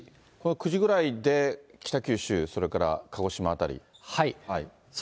９時ぐらいで北九州、それから鹿児島辺り。